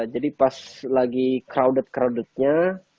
jadi pas lagi crowded crowdednya